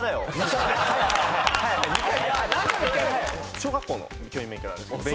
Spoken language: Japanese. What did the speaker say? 小学校の教員免許なんですけど。